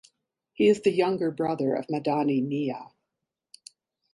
He is the younger brother of Madani Miya.